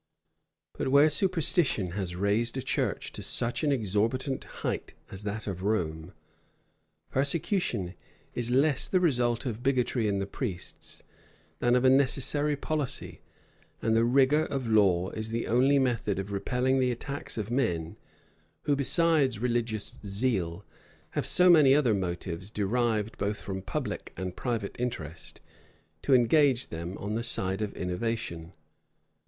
But where superstition has raised a church to such an exorbitant height as that of Rome, persecution is less the result of bigotry in the priests, than of a necessary policy; and the rigor of law is the only method of repelling the attacks of men who, besides religious zeal, have so many other motives, derived both from public and private interest, to engage them on the side of innovation.